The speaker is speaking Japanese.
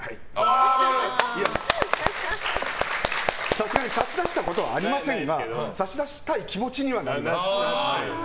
さすがに差し出したことはありませんが差し出したい気持ちにはなります。